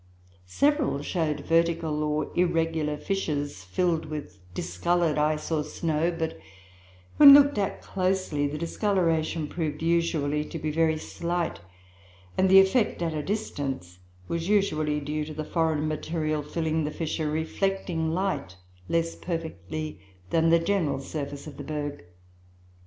Several showed vertical or irregular fissures filled with discoloured ice or snow; but, when looked at closely, the discoloration proved usually to be very slight, and the effect at a distance was usually due to the foreign material filling the fissure reflecting light less perfectly than the general surface of the berg.